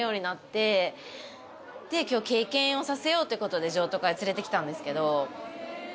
今日経験をさせようということで譲渡会連れてきたんですけど。